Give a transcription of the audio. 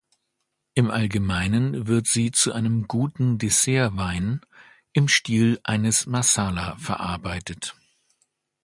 Im Allgemeinen wird sie zu einem guten Dessertwein im Stil eines Marsala verarbeitet.